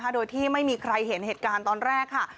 โดยที่ไม่มีใครเห็นเหตุการณ์ตอนแรกค่ะ